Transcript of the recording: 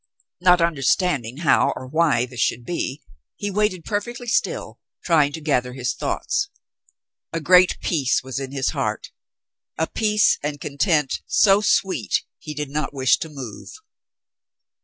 Not understanding how or why this should be, he waited perfectly still, trying to gather his thoughts. A great peace was in his heart — a peace and content so sweet he did not wish to move.